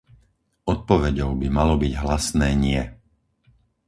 Odpoveďou by malo byť hlasné nie!